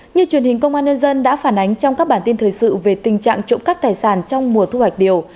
như truyền hình công an nhân dân đã phản ánh trong các bản tin thời sự về tình trạng trộm cắp tài sản trong mùa thu hoạch điều